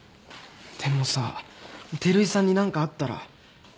でもさ照井さんに何かあったら。